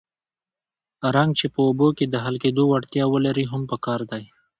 رنګ چې په اوبو کې د حل کېدو وړتیا ولري هم پکار دی.